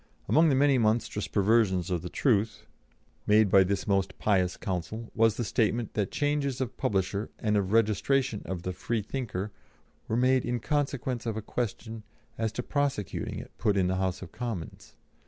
Among the many monstrous perversions of the truth made by this most pious counsel, was the statement that changes of publisher, and of registration of the Freethinker were made in consequence of a question as to prosecuting it put in the House of Commons.